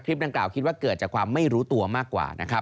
คลิปดังกล่าวคิดว่าเกิดจากความไม่รู้ตัวมากกว่า